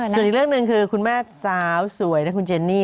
ส่วนอีกเรื่องหนึ่งคือคุณแม่สาวสวยนะคุณเจนนี่